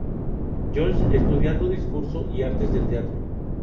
John's, estudiando discurso y artes del teatro.